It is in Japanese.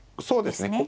そうですね。